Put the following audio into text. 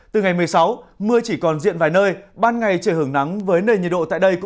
từ ngày một mươi sáu mưa chỉ còn diện vài nơi ban ngày trời hưởng nắng với nền nhiệt độ tại đây